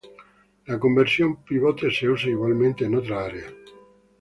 La conversión pivote se usa igualmente en otras áreas.